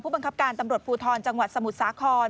บังคับการตำรวจภูทรจังหวัดสมุทรสาคร